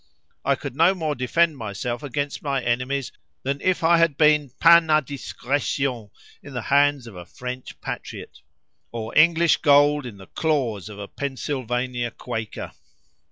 I could no more defend myself against my enemies than if I had been pain à discretion in the hands of a French patriot, or English gold in the claws of a Pennsylvanian Quaker.